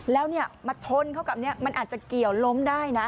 แล้วเนี่ยมาชนเข้ากับเนี่ยมันอาจจะเกี่ยวล้มได้นะ